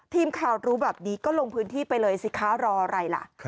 ทีมข่าวรู้แบบนี้ก็ลงพื้นที่ไปเลยสิคะรออะไรล่ะ